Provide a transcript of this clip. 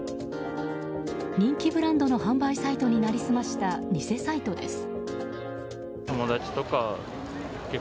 人気ブランドの販売サイトになりすました偽サイトです。